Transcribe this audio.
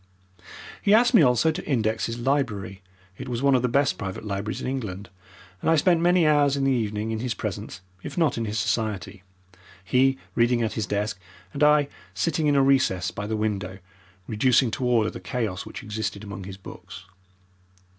He asked me also to index his library (it was one of the best private libraries in England), and I spent many hours in the evening in his presence, if not in his society, he reading at his desk and I sitting in a recess by the window reducing to order the chaos which existed among his books.